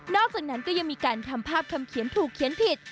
อกจากนั้นก็ยังมีการทำภาพคำเขียนถูกเขียนผิด